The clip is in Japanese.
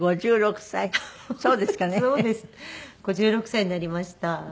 ５６歳になりました。